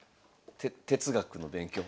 て哲学の勉強？